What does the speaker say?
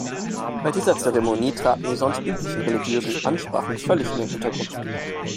Bei dieser Zeremonie traten die sonst üblichen religiösen Ansprachen völlig in den Hintergrund.